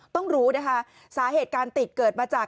ต้องรู้นะคะสาเหตุการติดเกิดมาจาก